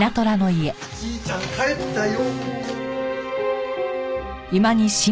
じいちゃん帰ったよ。